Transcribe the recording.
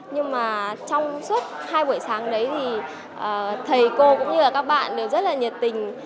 nhưng mà trong suốt hai buổi sáng đấy thì thầy cô cũng như là các bạn đều rất là nhiệt tình